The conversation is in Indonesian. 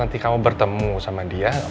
nanti kamu bertemu sama dia